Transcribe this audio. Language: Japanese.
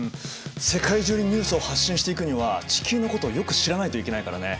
世界中にニュースを発信していくには地球のことをよく知らないといけないからね。